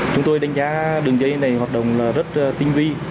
chúng tôi đánh giá đường dây này hoạt động rất tinh vi